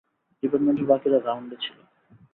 Department এর বাকিরা রাউন্ডে ছিল।